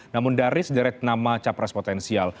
namun dari sederet nama capres potensial